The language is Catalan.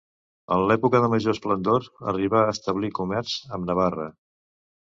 En l'època de major esplendor arribà a establir comerç amb Navarra.